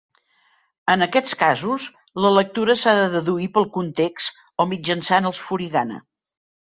En aquests casos, la lectura s'ha de deduir pel context o mitjançant els furigana.